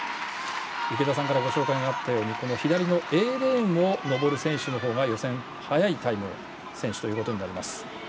池田さんからご紹介があったように左のＡレーンを登る選手の方が予選、速いタイムの選手となります。